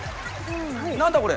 何だこれ？